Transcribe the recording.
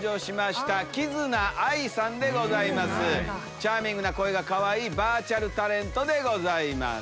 チャーミングな声がかわいいバーチャルタレントでございます。